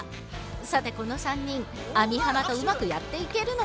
さてこの３人網浜とうまくやっていけるのか。